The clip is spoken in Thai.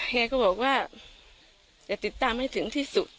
แกก็บอกว่าจะติดตามให้ถึงที่สุด